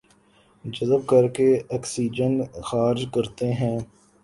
جذب کرکے آکسیجن خارج کرتے ہیں